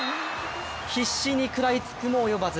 必死に食らいつくも及ばず。